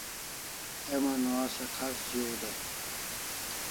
Heman o asa khas zu dai